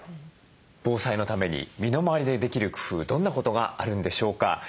防災のために身の回りでできる工夫どんなことがあるんでしょうか？